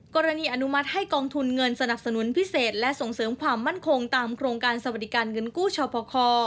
อนุมัติให้กองทุนเงินสนับสนุนพิเศษและส่งเสริมความมั่นคงตามโครงการสวัสดิการเงินกู้ชพค